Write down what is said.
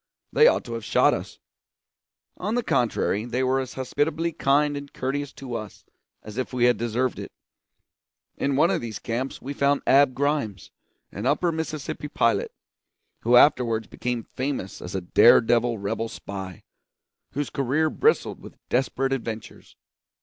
They ought to have shot us; on the contrary, they were as hospitably kind and courteous to us as if we had deserved it. In one of these camps we found Ab Grimes, an Upper Mississippi pilot, who afterwards became famous as a dare devil rebel spy, whose career bristled with desperate adventures.